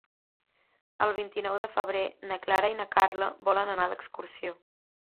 El vint-i-nou de febrer na Clara i na Carla volen anar d'excursió.